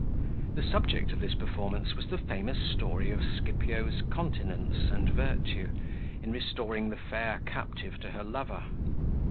The subject of this performance was the famous story of Scipio's continence and virtue, in restoring the fair captive to her lover.